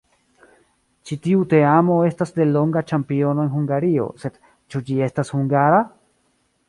Ĉi tiu teamo estas delonga ĉampiono en Hungario, sed ĉu ĝi estas hungara?